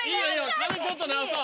髪ちょっと直そう。